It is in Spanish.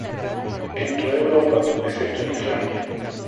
En toda Europa, excepto en Islandia.